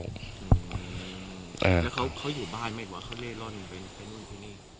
แล้วเขาอยู่บ้านไหมวะเขาเล่ร่อนไปนู่นไปนี่